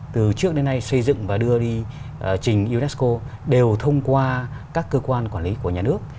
từ trước đến nay xây dựng và đưa đi trình unesco đều thông qua các cơ quan quản lý của nhà nước